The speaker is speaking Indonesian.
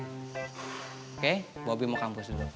oke bobby mau kampus dulu